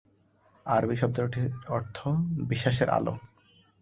আরবি শব্দটির অর্থ "বিশ্বাসের আলো"।